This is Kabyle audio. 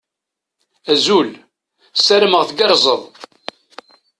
Azul. Sarameɣ tgerrzeḍ.